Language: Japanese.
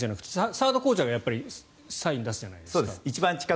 サードコーチャーがまずサイン出すじゃないですか。